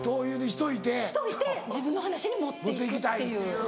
しといて自分の話に持って行くっていう。